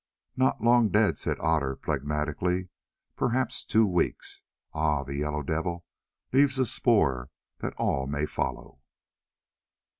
"Not long dead," said Otter phlegmatically, "perhaps two weeks. Ah! the Yellow Devil leaves a spoor that all may follow."